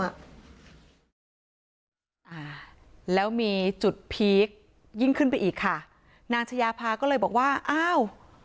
อ่าแล้วมีจุดพีคยิ่งขึ้นไปอีกค่ะนางชายาพาก็เลยบอกว่าอ้าว